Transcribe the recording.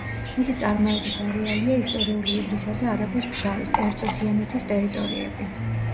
მისი წარმოების არეალია ისტორიული ივრისა და არაგვის ფშავის, ერწო-თიანეთის ტერიტორიები.